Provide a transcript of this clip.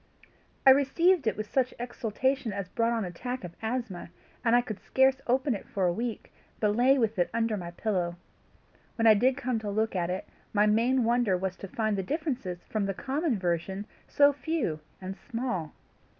I received it with such exultation as brought on an attack of asthma, and I could scarce open it for a week, but lay with it under my pillow. When I did come to look at it, my main wonder was to find the differences from the common version so few and small.